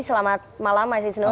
selamat malam mas isnur